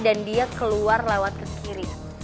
dan dia keluar lewat ke kiri